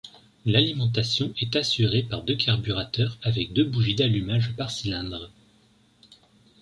L'alimentation est assurée par deux carburateurs avec deux bougies d'allumage par cylindre.